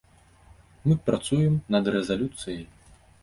Мы працуем над рэзалюцый.